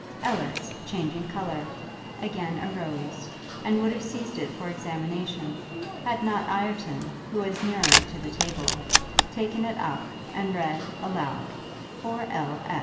Ellis, changing colour, again arose; and would have seized it for examination, had not Ireton, who was nearer to the table, taken it up, and read, aloud, "For L.